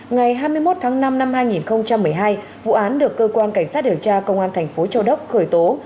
ngày hai mươi một tháng năm năm hai nghìn một mươi hai vụ án được cơ quan cảnh sát điều tra công an thành phố châu đốc khởi tố